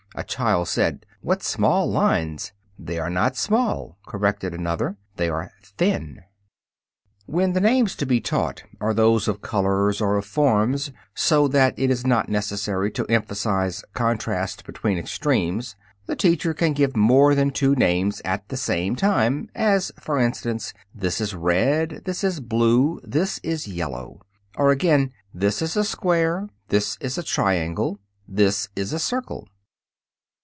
A child said, "What small lines!" "They are not small," corrected another; "they are thin." When the names to be taught are those of colors or of forms, so that it is not necessary to emphasize contrast between extremes, the teacher can give more than two names at the same time, as, for instance, "This is red." "This is blue." "This is yellow." Or, again, "This is a square." "This is a triangle." "This is a circle."